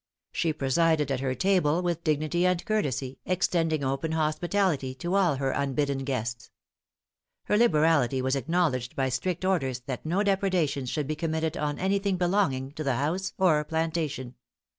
She presided at her table with dignity and courtesy, extending open hospitality to all her unbidden guests. Her liberality was acknowledged by strict orders that no depredations should be committed on any thing belonging to the house or plantation.